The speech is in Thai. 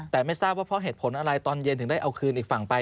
แต่ไม่ทราบว่าเพราะเหตุผลอะไรตอนเย็นถึงได้เอาคืนอีกฝั่งไป